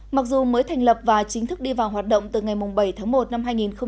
mặc dù mới thành lập và chính thức đi vào hoạt động từ ngày bảy tháng một năm hai nghìn hai mươi